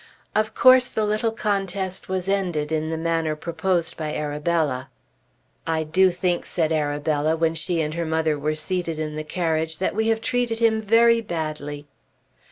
Of course the little contest was ended in the manner proposed by Arabella. "I do think," said Arabella, when she and her mother were seated in the carriage, "that we have treated him very badly."